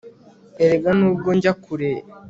erega nubwo njya kure